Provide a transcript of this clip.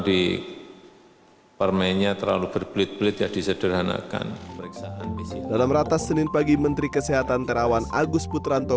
dalam ratas senin pagi menteri kesehatan terawan agus putranto